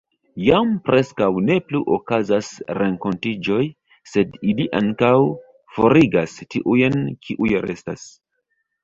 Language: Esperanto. Jam preskaŭ ne plu okazas renkontiĝoj, sed ili ankaŭ forigas tiujn, kiuj restas.